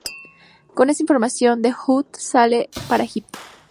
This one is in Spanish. Con esta información The Hood sale para Egipto.